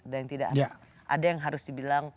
dan ada yang harus dibilang